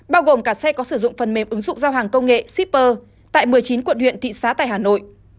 bao gồm cả xe có sử dụng phần mềm ứng dụng giao hàng công nghệ shipper tại một mươi chín quận huyện thị xã tại hà nội